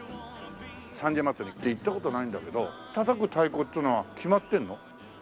三社祭って行った事ないんだけど叩く太鼓っていうのは決まってるの？